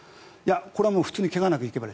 これは普通に怪我なくいけば。